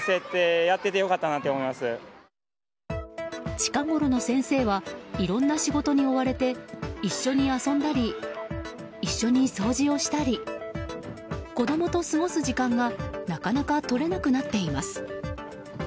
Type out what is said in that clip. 近ごろの先生はいろんな仕事に追われて一緒に遊んだり一緒に掃除をしたり子供と過ごす時間がなかなか取れなくなっています。